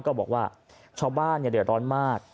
บอกว่าชาวบ้านเดือดร้อนมาก